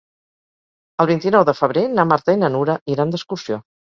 El vint-i-nou de febrer na Marta i na Nura iran d'excursió.